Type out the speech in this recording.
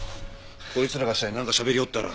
こいつらが下でなんかしゃべりよったら。